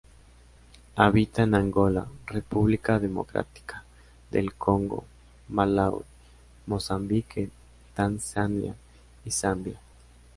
Habita en Angola, República Democrática del Congo, Malaui, Mozambique, Tanzania y Zambia.